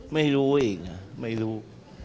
ไม่รู้อีกนะไม่รู้